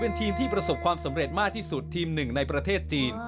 เป็นทีมที่ประสบความสำเร็จมากที่สุดทีมหนึ่งในประเทศจีน